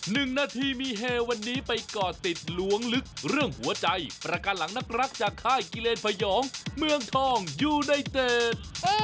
หนึ่งนาทีมีเฮวันนี้ไปก่อติดล้วงลึกเรื่องหัวใจประกันหลังนักรักจากค่ายกิเลนพยองเมืองทองยูไนเต็ด